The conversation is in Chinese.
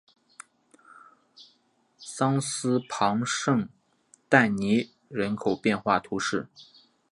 桑斯旁圣但尼人口变化图示